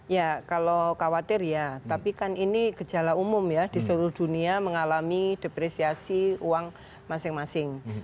ya kalau khawatir ya tapi kan ini gejala umum ya di seluruh dunia mengalami depresiasi uang masing masing